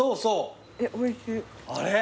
あれ？